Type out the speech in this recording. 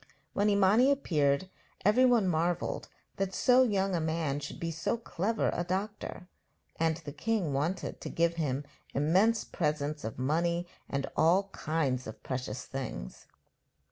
When Imani appeared everyone marvelled that so young a man should be so clever a doctor; and the king wanted to give him immense presents of money and of all kinds of precious things.